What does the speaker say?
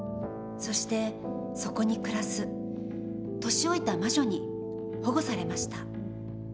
そしてそこに暮らす年老いた魔女に保護されました。